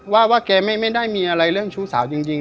ว่าว่าแกไม่ได้มีอะไรเรื่องชู้สาวจริง